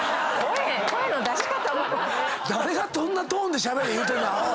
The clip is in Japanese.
誰がそんなトーンでしゃべれ言うとんねん！